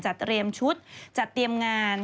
เตรียมชุดจัดเตรียมงาน